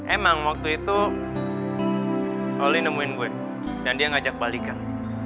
emang waktu itu oli nemuin gue dan dia ngajak baliker